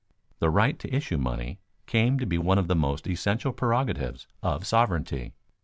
The right to issue money came to be one of the most essential prerogatives of sovereignty.